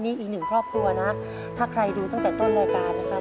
นี่อีกหนึ่งครอบครัวนะถ้าใครดูตั้งแต่ต้นรายการนะครับ